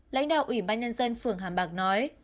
lãnh đạo ủy ban nhân dân phường hàm bạc nói